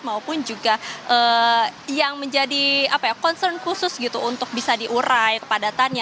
maupun juga yang menjadi concern khusus gitu untuk bisa diurai kepadatannya